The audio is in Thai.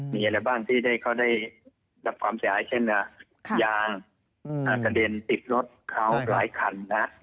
มีอะไรบ้างที่เขาได้รับความเสียหายเช่นยางกระเด็นติดรถเขาหลายคันนะ